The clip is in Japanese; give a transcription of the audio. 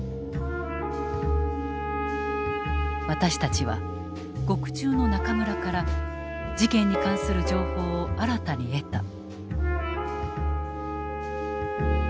私たちは獄中の中村から事件に関する情報を新たに得た。